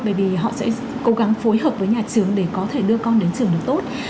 bởi vì họ sẽ cố gắng phối hợp với nhà trường để có thể đưa con đến trường được tốt